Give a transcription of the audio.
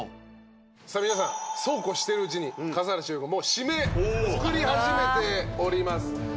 皆さんそうこうしてるうちに笠原シェフがもう締め作り始めております。